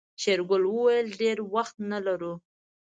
شېرګل وويل ډېر وخت نه لرو.